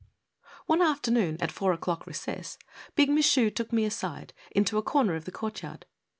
O NE afternoon, at four o'clock recess, Big Michu took me aside, into a corner of the court yard.